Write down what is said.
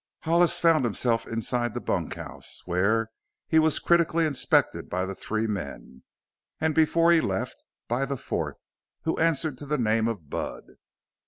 Hollis found himself inside the bunkhouse, where he was critically inspected by the three men and before he left, by the fourth, who answered to the name of "Bud."